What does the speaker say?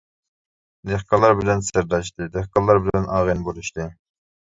دېھقانلار بىلەن سىرداشتى، دېھقانلار بىلەن ئاغىنە بولۇشتى.